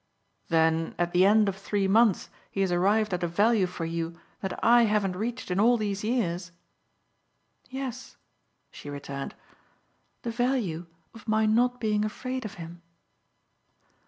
"Then at the end of three months he has arrived at a value for you that I haven't reached in all these years?" "Yes," she returned "the value of my not being afraid of him."